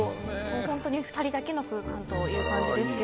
本当に２人だけの空間という感じですが。